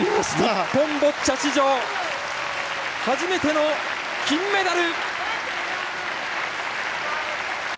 日本ボッチャ史上初めての金メダル！